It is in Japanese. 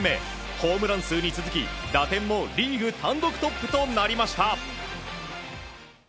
ホームラン数に続き、打点もリーグ単独トップとなりました。